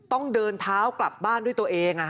ต้องเดินเท้ากลับบ้านด้วยตัวเอง